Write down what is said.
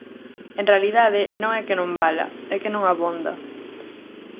En realidade, non é que non vala, é que non abonda.